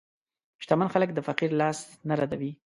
شتمن خلک د فقیر لاس نه ردوي.